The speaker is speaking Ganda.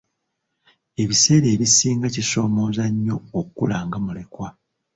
Ebiseera ebisinga kisomooza nnyo okula nga mulekwa.